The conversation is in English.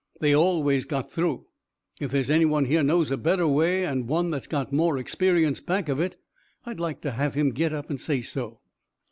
They always got through. If there's anyone here knows a better way, and one that's got more experience back of it, I'd like to have him get up and say so."